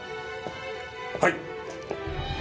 はい！